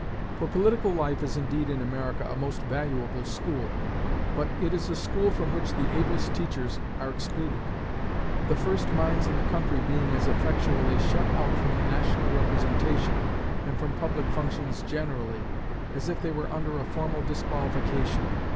For political life is indeed in America a most valuable school, but it is a school from which the ablest teachers are excluded; the first minds in the country being as effectually shut out from the national representation, and from public functions generally, as if they were under a formal disqualification.